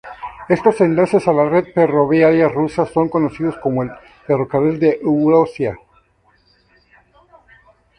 Estos enlaces a la red ferroviaria rusa son conocidos como el ferrocarril de Eurasia.